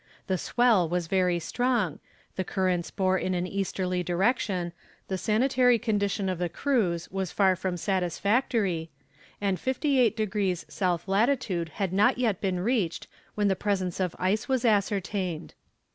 The swell was very strong, the currents bore in an easterly direction, the sanitary condition of the crews was far from satisfactory, and 58 degrees S. lat. had not yet been reached when the presence of ice was ascertained.